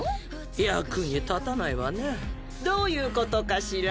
役に立たないわねどういうことかしら？